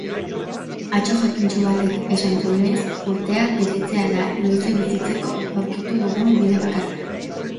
Atso jakintsu batek esan zuenez, urteak betetzea da luze bizitzeko aurkitu dugun bide bakarra.